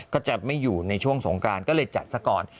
ก็จะไม่อยู่ในช่วงสงกรานก็เลยจัดซะก่อน